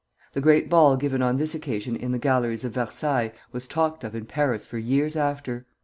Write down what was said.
The great ball given on this occasion in the galleries of Versailles was talked of in Paris for years after.